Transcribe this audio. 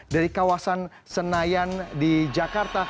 dari kawasan senayan di jakarta